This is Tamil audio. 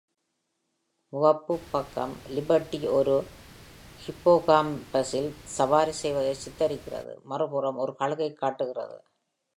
முகப்புப்பக்கம் லிபர்ட்டி ஒரு ஹிப்போகாம்பஸில் சவாரி செய்வதை சித்தரிக்கிறது, மறுபுறம் ஒரு கழுகைக் காட்டுகிறது.